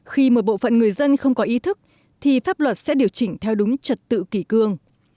khi một bộ phận người dân không có ý thức thì pháp luật sẽ điều chỉnh theo đúng trật tự kỷ cương